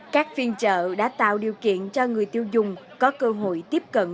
các phiên chợ đã tạo điều kiện cho người tiêu dùng có cơ hội tiếp cận